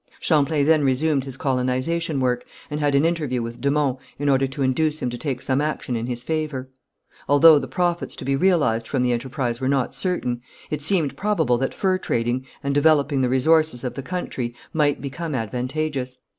Champlain then resumed his colonization work, and had an interview with de Monts, in order to induce him to take some action in his favour. Although the profits to be realized from the enterprise were not certain, it seemed probable that fur trading, and developing the resources of the country, might become advantageous.